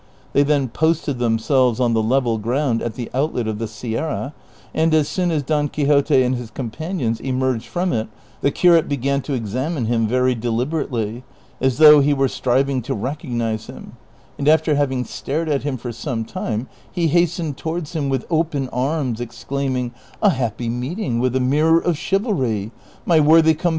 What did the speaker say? • They then posted themselves on the level ground at the outlet of the Sierra, and as soon as Don Quixote and his companions emerged from it the curate began to examine him very deliberately, as though he were striving to recognize him, and after having stared at him for some time he hastened towards him Avith open arms exclaiming, ^^ A happy meeting with the mirror of chivalry, my worthy compatriot Don Quixote ' Literally, " I am sucking my fingers."